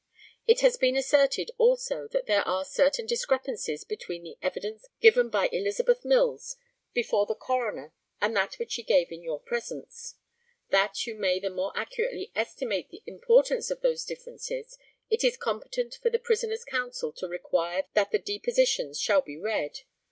It has been asserted also that there are certain discrepancies between the evidence given by Elizabeth Mills before the coroner and that which she gave in your presence. That you may the more accurately estimate the importance of those differences it is competent for the prisoner's counsel to require that the depositions shall be read.